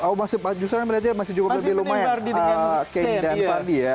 oh justru saya melihatnya masih cukup lebih lumayan kane dan vardy ya